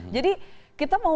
jadi kita mau mengatakan apa gitu